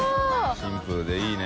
シンプルでいいね。